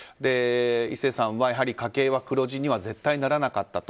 壱成さんは、家計は黒字には絶対にならなかったと。